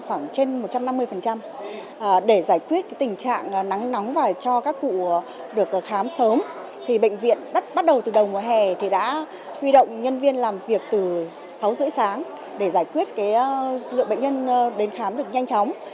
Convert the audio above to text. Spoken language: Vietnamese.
khoảng trên một trăm năm mươi để giải quyết tình trạng nắng nóng và cho các cụ được khám sớm thì bệnh viện bắt đầu từ đầu mùa hè thì đã huy động nhân viên làm việc từ sáu h ba mươi sáng để giải quyết lượng bệnh nhân đến khám được nhanh chóng